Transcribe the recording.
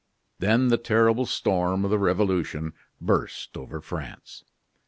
Then the terrible storm of the revolution burst over France.